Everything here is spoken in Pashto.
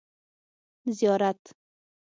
زيارت